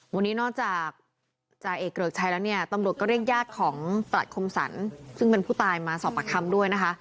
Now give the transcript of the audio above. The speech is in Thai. วันนี้นอกจากจ่าเอกเกริกชัยแล้วเนี่ยตำรวจก็เรียกญาติของประหลัดคมสรรซึ่งเป็นผู้ตายมาสอบปากคำด้วยนะคะ